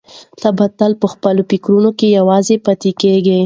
دی به تل په خپلو فکرونو کې یوازې پاتې کېږي.